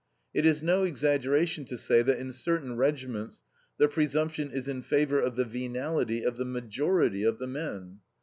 It is no exaggeration to say that in certain regiments the presumption is in favor of the venality of the majority of the men....